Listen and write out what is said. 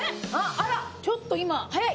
あらっちょっと今早い！